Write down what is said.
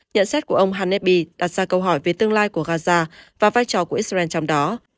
nhận xét của ông hanebi đặt ra câu hỏi về tương lai của gaza và vai trò của israel trong đó